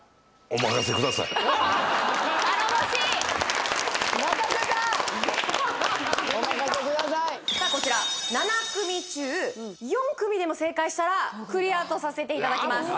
お任せくださいさあこちら７組中４組でも正解したらクリアとさせていただきます